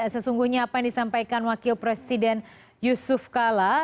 sesungguhnya apa yang disampaikan wakil presiden yusuf kala